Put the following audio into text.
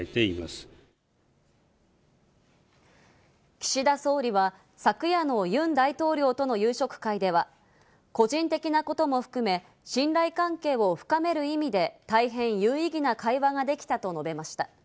岸田総理は、昨夜のユン大統領との夕食会では、個人的なことも含め、信頼関係を深める意味で大変有意義な会話ができたと述べました。